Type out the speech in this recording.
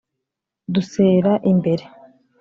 dusera imbere